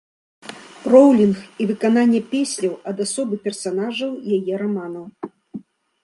Роўлінг і выкананне песняў ад асобы персанажаў яе раманаў.